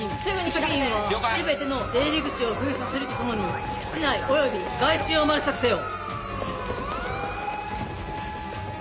宿直員は全ての出入り口を封鎖するとともに敷地内および外周をマル索せよ！